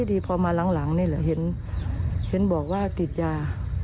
ดีพอมาหลังนี่แหละเห็นบอกว่าติดยา